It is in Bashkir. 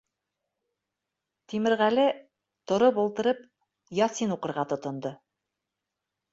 Тимерғәле, тороп ултырып, ясин уҡырға тотондо.